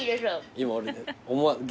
今俺。